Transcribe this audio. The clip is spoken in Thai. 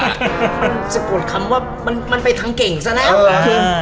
มันสะกดคำว่ามันไปทางเก่งซะแล้ว